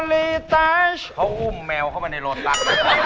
เขาอุ้มแมวเข้าไปในรถตัก